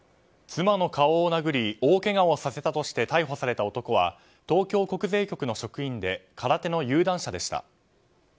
妻の顔を殴り大けがをさせたとして逮捕された男は東京国税局の職員で空手の有段者でした。